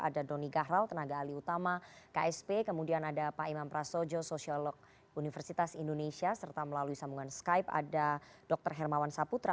ada doni gahral tenaga alih utama ksp kemudian ada pak imam prasojo sosiolog universitas indonesia serta melalui sambungan skype ada dr hermawan saputra